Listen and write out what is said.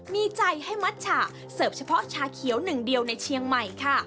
มีใจให้มัดฉะเสิร์ฟเฉพาะชาเขียวหนึ่งเดียวในเชียงใหม่ค่ะ